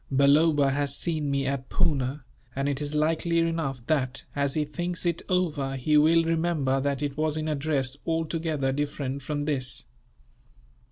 Balloba has seen me at Poona, and it is likely enough that, as he thinks it over, he will remember that it was in a dress altogether different from this.